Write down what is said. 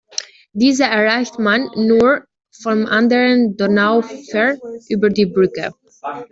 Diese erreicht man nur vom anderen Donauufer über die Brücke.